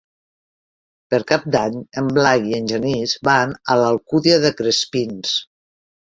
Per Cap d'Any en Blai i en Genís van a l'Alcúdia de Crespins.